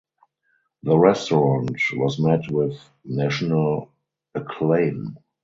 The restaurant was met with national acclaim.